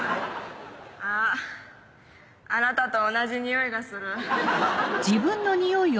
あっあなたと同じニオイがする。